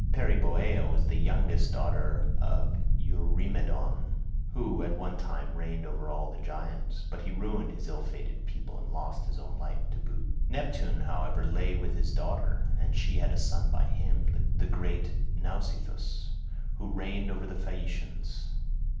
Periboea was the youngest daughter of Eurymedon, who at one time reigned over the giants, but he ruined his ill fated people and lost his own life to boot. "Neptune, however, lay with his daughter, and she had a son by him, the great Nausithous, who reigned over the Phaeacians.